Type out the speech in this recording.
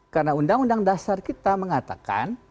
karena undang undang dasar kita mengatakan